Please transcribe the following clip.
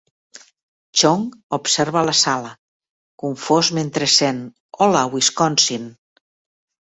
Chong observa la sala, confós mentre sent Hola, Wisconsin!